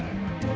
nih ini embernya